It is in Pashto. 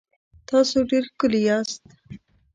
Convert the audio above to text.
تاسو ډېر ښکلي یاست